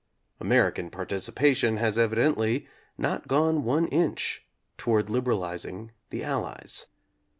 American participation has evidently not gone one inch toward liberaliz ing the Allies.